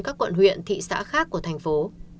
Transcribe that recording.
các quận huyện thị xã khác của thành phố